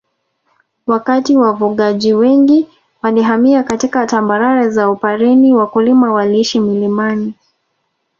Wakati wafugaji wengi walihamia katika tambarare za Upareni wakulima waliishi milimani